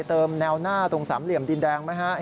เติมแนวหน้าตรงสามเหลี่ยมดินแดงไหมฮะ